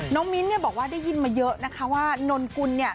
น้องมิ้นท์เนี่ยบอกว่าได้ยินมาเยอะนะคะว่านนกุลเนี่ย